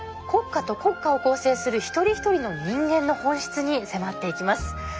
国家と国家を構成する一人一人の人間の本質に迫っていきます。